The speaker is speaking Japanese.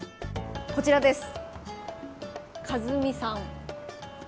こちらです。